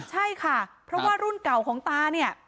ใช่ค่ะเพราะว่ารุ่นเก่าของตาเนี่ย